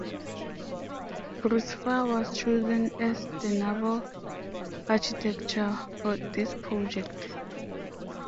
Bruce Farr was chosen as the naval architecture for this project.